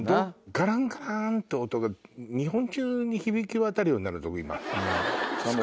ガランガラン！って音が日本中に響き渡るようになるぞ。